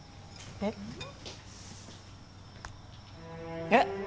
えっ？えっ！